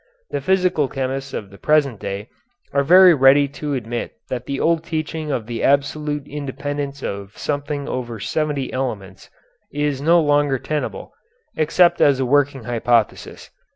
The physical chemists of the present day are very ready to admit that the old teaching of the absolute independence of something over seventy elements is no longer tenable, except as a working hypothesis.